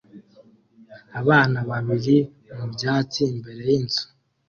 Abana babiri mu byatsi imbere yinzu